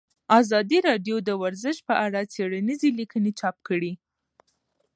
ازادي راډیو د ورزش په اړه څېړنیزې لیکنې چاپ کړي.